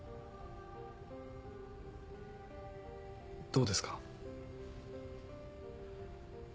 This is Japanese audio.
どうですか？